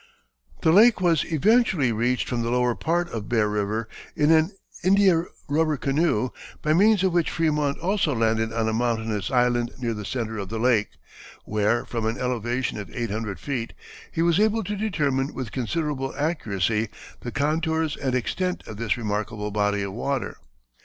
The lake was eventually reached from the lower part of Bear River in an india rubber canoe, by means of which Frémont also landed on a mountainous island near the centre of the lake, where from an elevation of eight hundred feet he was able to determine with considerable accuracy the contours and extent of this remarkable body of water.